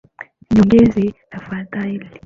Niongezee tafadhali.